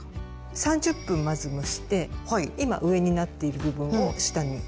３０分まず蒸して今上になっている部分を下にして。